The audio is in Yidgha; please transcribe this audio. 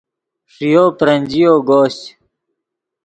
ݰییو برنجییو گوشچ